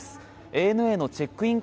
ＡＮＡのチェックイン